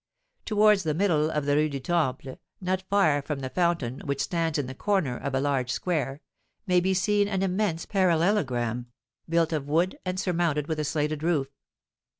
Towards the middle of the Rue du Temple, not far from the fountain which stands in the corner of a large square, may be seen an immense parallelogram, built of wood, and surmounted with a slated roof.